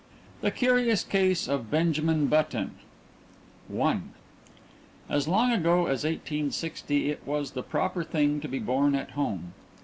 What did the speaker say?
THE CURIOUS CASE OF BENJAMIN BUTTON I As long ago as 1860 it was the proper thing to be born at home.